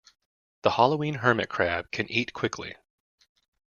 The halloween hermit crab can eat quickly.